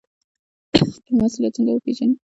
خپل مسوولیت څنګه وپیژنو؟